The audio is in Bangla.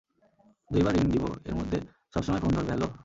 দুইবার রিং দিবো এর মধ্যে সবসময় ফোন ধরবে হ্যাঁলো?